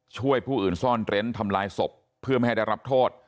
ช่วยผู้อื่นซ่อนเร้นทำลายศพเพื่อไม่ให้ได้รับโทษ